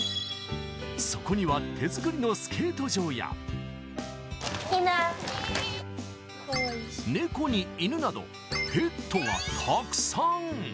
そこには手作りのスケート場や、猫に犬など、ペットがたくさん。